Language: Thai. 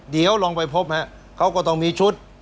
เดี๋ยวลองไปพบเขาก็ต้องมีชุด